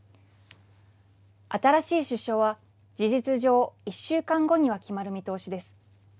新しい首相は事実上１週間後には決まる見通しです。